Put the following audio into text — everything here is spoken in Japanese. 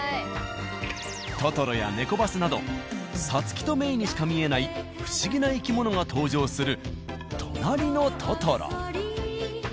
トトロやネコバスなどサツキとメイにしか見えない不思議な生き物が登場する「となりのトトロ」。